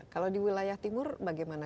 kalau di wilayah timur bagaimana